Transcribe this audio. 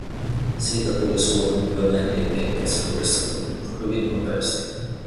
Siitä tuli Suomen työväenliikkeen keskuudessa tunnettu hyvin nopeasti